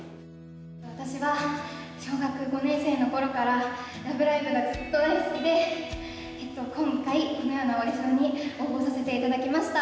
私は小学５年生の頃から「ラブライブ！」がずっと大好きでえっと今回このようなオーディションに応募させて頂きました。